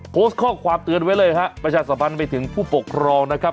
โพสต์ข้อความเตือนไว้เลยฮะประชาสัมพันธ์ไปถึงผู้ปกครองนะครับ